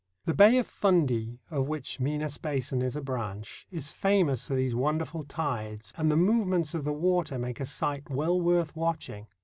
The Bay of Fundy, of which Minas Basin is a branch, is famous for these wonderful tides, and the movements of the water make a sight well worth watching.